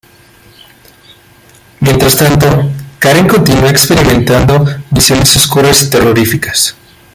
Mientras tanto, Karen continúa experimentando visiones oscuras y terroríficas.